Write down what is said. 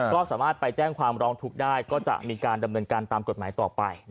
ก็สามารถไปแจ้งความร้องทุกข์ได้ก็จะมีการดำเนินการตามกฎหมายต่อไป